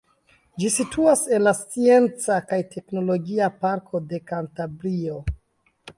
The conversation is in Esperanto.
Ĝi situas en la Scienca kaj Teknologia Parko de Kantabrio.